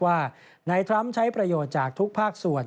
ว่านายทรัมป์ใช้ประโยชน์จากทุกภาคส่วน